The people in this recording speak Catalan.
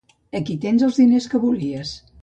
Aquí tens els diners que volies.